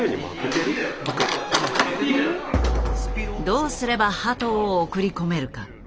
どうすれば鳩を送り込めるか。